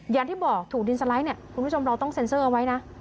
อย่างที่บอกถูกดินสไลด์เนี่ยคุณผู้ชมเราต้องเซ็นเซอร์เอาไว้นะ